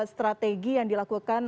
strategi yang dilakukan